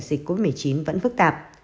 dịch covid một mươi chín vẫn phức tạp